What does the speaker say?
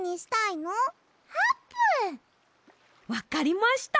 わかりました。